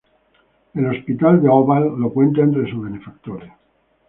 El hospital de Ovalle lo cuenta entre sus benefactores.